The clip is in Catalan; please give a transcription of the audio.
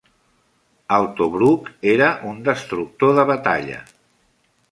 El "Tobruk" era un destructor de batalla.